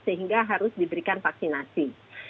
sehingga harus diberikan vaksinasi